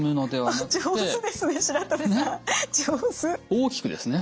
大きくですね。